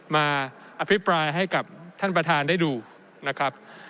มาอภิปรายให้กับท่านประธานได้ดูนะครับ